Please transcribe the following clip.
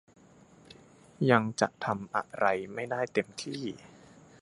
ยังจะทำอะไรไม่ได้เต็มที่